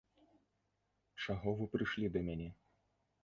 Чаго вы прыйшлі да мяне?